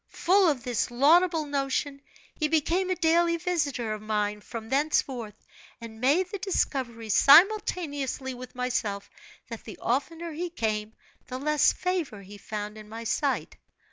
Full of this laudable notion, he became a daily visitor of mine from thenceforth, and made the discovery, simultaneously with myself, that the oftener he came the less favor he found in my sight.